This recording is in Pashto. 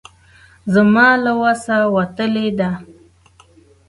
زما له وسه وتلې ده.